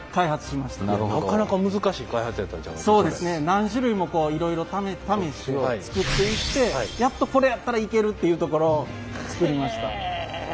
何種類もいろいろ試して作っていってやっとこれやったらいけるっていうところを作りました。